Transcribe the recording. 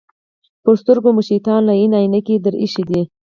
پر سترګو مو شیطان لعین عینکې در اېښي دي.